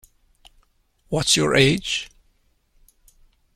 What's your age?